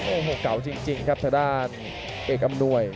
โอ้โหเก่าจริงครับทางด้านเอกอำนวย